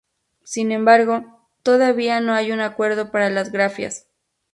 Sin embargo, todavía no hay un acuerdo para las grafías.